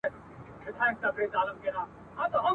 تا چي هر څه زیږولي غلامان سي ..